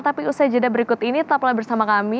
tapi usai jeda berikut ini tetaplah bersama kami